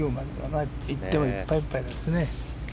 いってもいっぱいいっぱいですね。